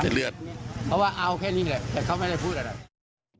เพราะว่าเอาแค่นี้แหละแต่เขาไม่ได้พูดอะไร